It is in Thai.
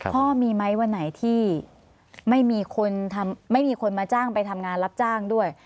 พ่อมีไหมวันไหนที่ไม่มีคนไม่มีคนมาจ้างไปทำงานรับจ้างด้วย